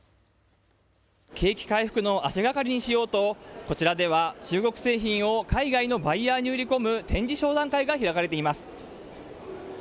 景気回復の足がかりにしようとこちらでは中国製品を海外のバイヤーに売り込む展示商談会が開かれています。